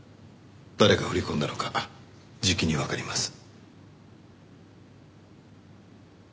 誰が振り込んだのかじきにわかります。